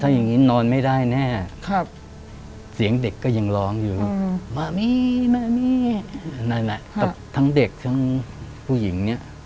อย่างนี้นอนไม่ได้แน่เสียงเด็กก็ยังร้องอยู่มามี่นั่นแหละกับทั้งเด็กทั้งผู้หญิงเนี่ย